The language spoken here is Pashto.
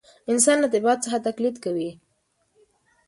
انسان له طبیعت څخه تقلید کوي.